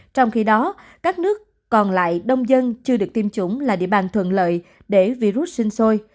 trong khi đó các nước còn lại đông dân chưa được tiêm chủng là địa bàn thuận lợi để virus sinh sôi